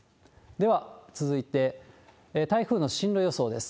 では、続いて台風の進路予想です。